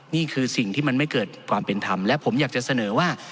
นี่คือสิ่งที่มันไม่เกิดความเป็นธรรมและผมอยากจะเสนอว่า